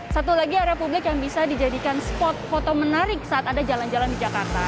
satu lagi area publik yang bisa dijadikan spot foto menarik saat anda jalan jalan di jakarta